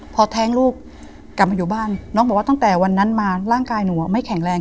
พอแท้งลูกกลับมาอยู่บ้านน้องบอกว่าตั้งแต่วันนั้นมาร่างกายหนูไม่แข็งแรง